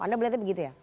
anda melihatnya begitu ya